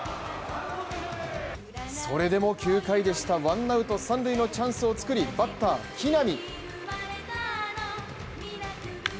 それでも９回、ワンアウト三塁のチャンスを作りバッター・木浪。